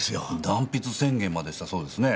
断筆宣言までしたそうですね。